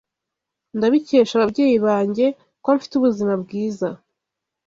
Ndabikesha ababyeyi banjye ko mfite ubuzima bwiza.